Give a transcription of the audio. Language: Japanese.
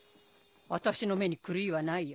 私の目に狂いはないよ。